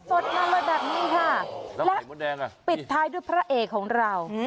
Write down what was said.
สดมาเลยแบบนี้ค่ะแล้วปิดท้ายด้วยพระเอกของเรา